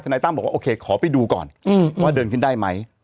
นายตั้มบอกว่าโอเคขอไปดูก่อนว่าเดินขึ้นได้ไหม